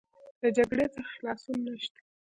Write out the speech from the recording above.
د جګړې څخه خلاصون نشته.